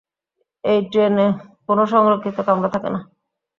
এই ট্রেনে কোন সংরক্ষিত কামরা থাকে না।